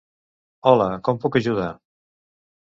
Hola, com puc ajudar?